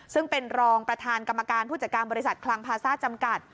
ซึ่งเป็นรองประธานกรรมการผู้จัดการบริษัทคลังพาซ่าจำกัด